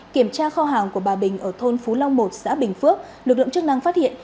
kiểm tra kho hàng của bà bình ở thôn phú long một xã bình phước lực lượng chức năng phát hiện